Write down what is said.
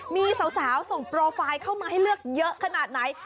มีสาวส่งโปรไฟล์เข้ามาให้เลือกเยอะขนาดไหน